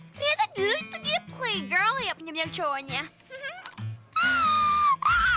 ternyata dulu itu dia playgirl ya punya banyak cowoknya